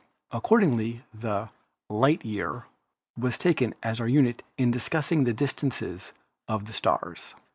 Accordingly the "light year" was taken as our unit in discussing the distances of the stars.